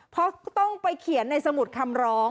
เพราะต้องไปเขียนในสมุดคำร้อง